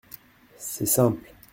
C’est simple.